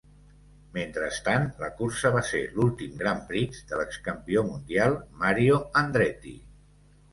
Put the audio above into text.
Mentrestant, la cursa va ser l'últim grand prix de l'ex-campió mundial Mario Andretti.